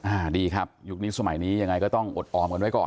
อ่าดีครับยุคนี้สมัยนี้ยังไงก็ต้องอดออมกันไว้ก่อน